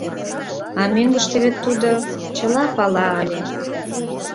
А мӧҥгыштӧ вет тудо чыла пала ыле.